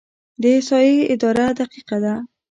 د احصایې اداره دقیقه ده؟